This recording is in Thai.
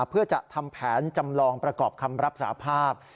เพื่อจะทำแผนจำลองประกอบคำรับสาภาพ